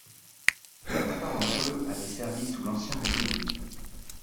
La plupart d'entre eux avaient servi sous l'ancien régime.